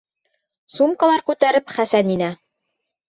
Сумкалар күтәреп Хәсән инә.